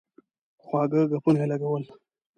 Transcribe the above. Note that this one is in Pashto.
خواږه ګپونه یې لګول.